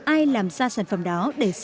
ai làm ra sản phẩm đó